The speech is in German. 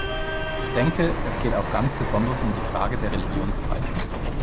Ich denke, es geht auch ganz besonders um die Frage der Religionsfreiheit.